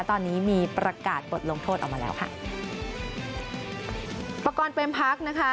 ตอนนี้มีประกาศบทลงโทษออกมาแล้วค่ะประกอบเป็นพักนะคะ